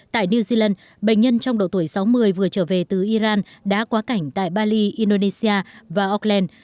tại new zealand bệnh nhân trong độ tuổi sáu mươi vừa trở về từ iran đã quá cảnh tại bali indonesia và auckland